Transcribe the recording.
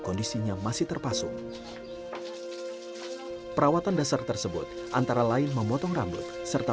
kondisinya masih terpasung perawatan dasar tersebut antara lain memotong rambut serta